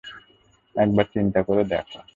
একবার চিন্তা করে দেখ।